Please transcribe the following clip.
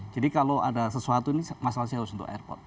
jadi kalau ada sesuatu ini masalah serius untuk airport